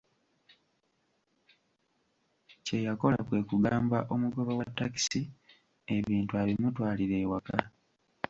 Kye yakola kwe kugamba omugoba wa takisi, ebintu abimutwalire ewaka.